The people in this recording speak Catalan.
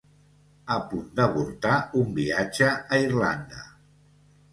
A punt d'avortar un viatge a Irlanda.